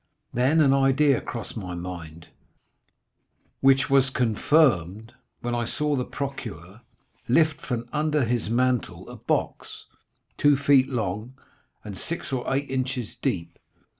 Then an idea crossed my mind, which was confirmed when I saw the procureur lift from under his mantle a box, two feet long, and six or eight inches deep.